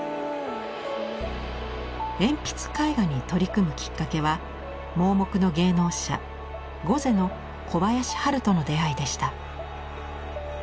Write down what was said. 鉛筆絵画に取り組むきっかけは盲目の芸能者瞽女の小林ハルとの出会いでした。